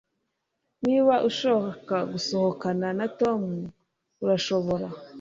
Niba ushaka gusohokana na Tom urashobora